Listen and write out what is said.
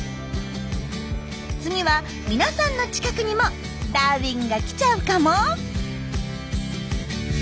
次は皆さんの近くにもダーウィンが来ちゃうかも？